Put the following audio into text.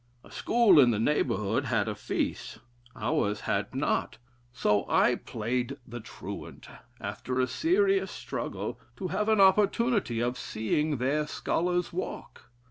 A school in the neighborhood had a feast, ours had not, so I played the truant, after a serious struggle, to have an opportunity of seeing the scholars walk.